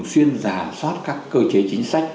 xuyên giả soát các cơ chế chính sách